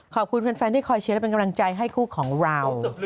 ขอบคุณแฟนที่คอยเชียร์และเป็นกำลังใจให้คู่ของเรา